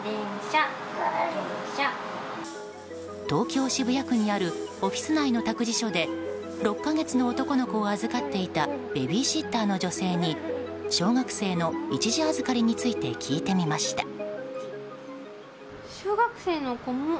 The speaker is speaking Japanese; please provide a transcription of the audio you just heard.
東京・渋谷区にあるオフィス内の託児所で６か月の男の子を預かっていたベビーシッターの女性に小学生の一時預かりについて聞いてみました。